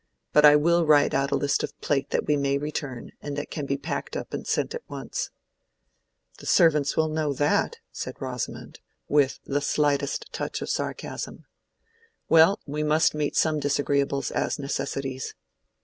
But I will write out a list of plate that we may return, and that can be packed up and sent at once." "The servants will know that," said Rosamond, with the slightest touch of sarcasm. "Well, we must meet some disagreeables as necessities.